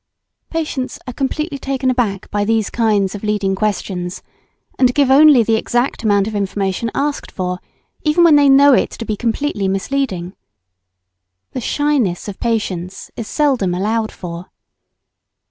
Patients are completely taken aback by these kinds of leading questions, and give only the exact amount of information asked for, even when they know it to be completely misleading. The shyness of patients is seldom allowed for.